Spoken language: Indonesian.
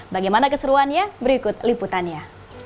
bagaimana keseruannya berikut liputannya